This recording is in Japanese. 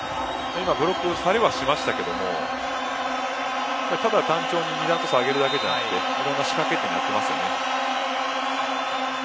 ブロックされはしましたけどただ単調に上げるだけじゃなくて仕掛けてやっていますよね。